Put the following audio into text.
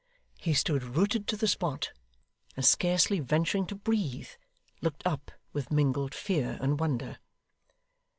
He stood rooted to the spot; and scarcely venturing to breathe, looked up with mingled fear and wonder.